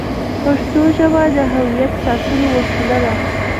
پښتو ژبه د هویت ساتلو وسیله ده.